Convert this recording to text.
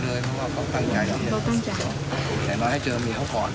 เพราะว่าเราไม่อยากให้เมียเขามีอันตรายอีกนะครับ